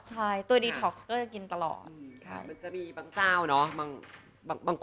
สวัสดีค่ะ